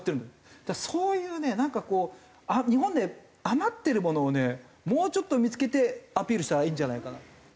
そういうねなんかこう日本で余ってるものをねもうちょっと見付けてアピールしたらいいんじゃないかな。